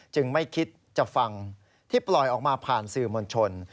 ไม่คิดจะฟังที่ปล่อยออกมาผ่านสื่อมวลชน